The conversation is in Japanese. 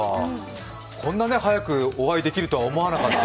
こんな早くお会いできるとは思わなかった。